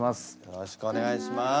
よろしくお願いします。